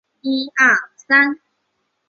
壶遂为人深中笃行。